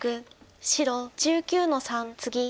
白１９の三ツギ。